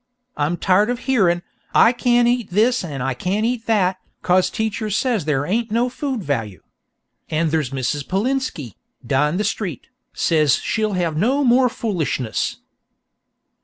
I'm tired of hearin' 'I can't eat this an' I can't eat that, cause teacher says there ain't no food walue.' An' there's Mrs. Polinski, down the street, says she'll have no more foolishness."